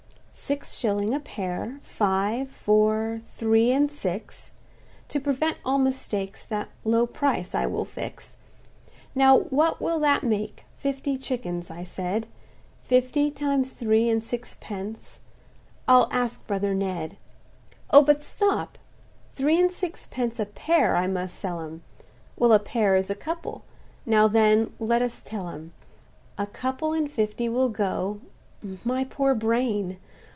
"Six shillings a pair—five—four—three and six, To prevent all mistakes, that low price I will fix; Now what will that make? fifty chickens, I said, Fifty times three and sixpence—I'll ask brother Ned. "Oh! but stop—three and sixpence a pair I must sell 'em; Well, a pair is a couple—now then let us tell 'em; A couple in fifty will go—(my poor brain!)